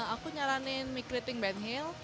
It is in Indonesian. aku nyaranin mie creating ben hill